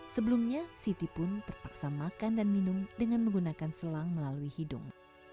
sebelumnya siti pun terpaksa makan dan minum dengan menggunakan selang melalui hidung